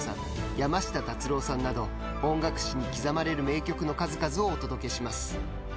山下達郎さんなど音楽史に刻まれる名曲の数々をお届けします。